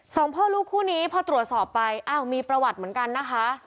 สองพ่อลูกคู่นี้พอตรวจสอบไปอ้าวมีประวัติเหมือนกันนะคะ